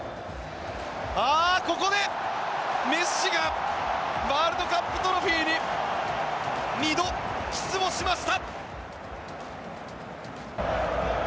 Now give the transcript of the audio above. ここでメッシがワールドカップトロフィーに２度、キスをしました。